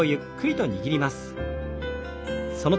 はい。